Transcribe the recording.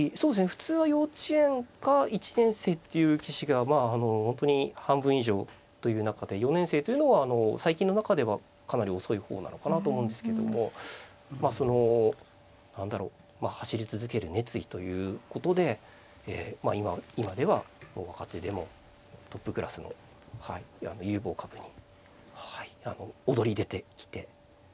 普通は幼稚園か１年生っていう棋士がまああの本当に半分以上という中で４年生というのは最近の中ではかなり遅い方なのかなと思うんですけどもまあその何だろう走り続ける熱意ということで今では若手でもトップクラスの有望株にはい躍り出てきてますね。